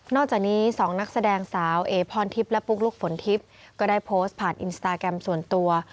จากนี้สองนักแสดงสาวเอพรทิพย์และปุ๊กลุ๊กฝนทิพย์ก็ได้โพสต์ผ่านอินสตาแกรมส่วนตัว